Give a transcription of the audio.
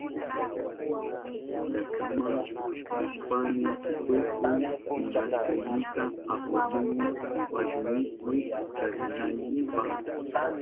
Llaktama rishpayni tukuy munashkaynita apamuni wasinipi charinaynipa.